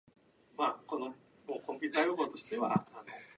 These balls are large enough to choke a person if eaten whole.